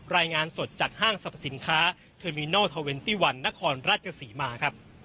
รายงานสดจากห้างสรรพสินค้าเทอร์มินัล๒๑นครราชกษีมาครับ